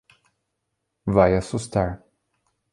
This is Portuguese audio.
Vai assustar.